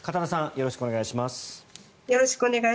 よろしくお願いします。